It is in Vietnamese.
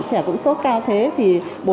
trẻ cũng sốt cây hóa hấp viêm tiểu phế quản